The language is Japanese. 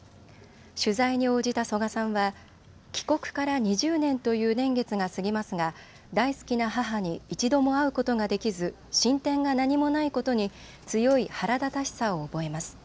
取材に応じた曽我さんは帰国から２０年という年月が過ぎますが大好きな母に一度も会うことができず進展が何もないことに強い腹立たしさを覚えます。